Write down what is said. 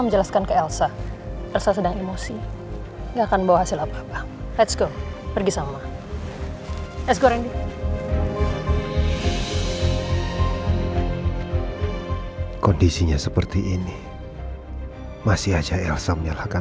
pokoknya kita semua akan melakukan yang terbaik